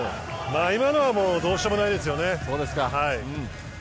今のはもうどうしようもないですよね。